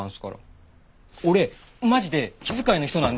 俺マジで気遣いの人なんで。